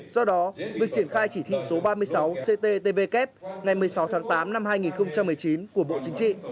do đó việc triển khai chỉ thị số ba mươi sáu cttvk ngày một mươi sáu tháng tám năm hai nghìn một mươi chín của bộ chính trị